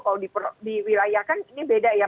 kalau di wilayah kan ini beda ya